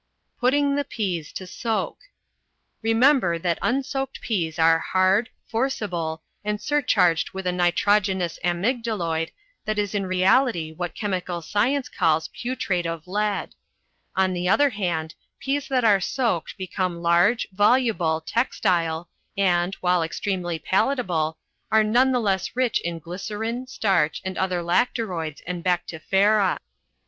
PUTTING THE PEAS TO SOAK Remember that unsoaked peas are hard, forcible, and surcharged with a nitrogenous amygdaloid that is in reality what chemical science calls putrate of lead. On the other hand, peas that are soaked become large, voluble, textile, and, while extremely palatable, are none the less rich in glycerine, starch, and other lacteroids and bactifera.